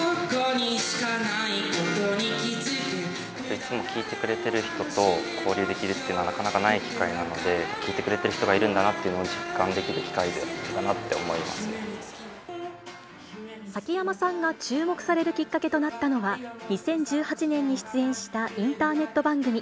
いつも聴いてくれてる人と交流できるっていうのはなかなかない機会なので、聴いてくれてる人がいるんだなっていうのを実感できる機会だった崎山さんが注目されるきっかけとなったのは、２０１８年に出演したインターネット番組。